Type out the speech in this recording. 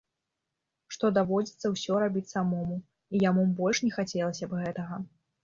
Што даводзіцца ўсё рабіць самому, і яму больш не хацелася б гэтага.